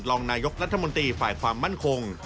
รองนายกรัฐมนตรีฝ่ายความมั่นคง